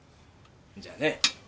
じゃあね